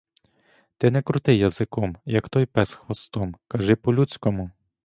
Ти не крути язиком, як той пес хвостом, кажи по-людському!